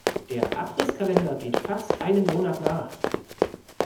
Der Abrisskalender geht fast einen Monat nach.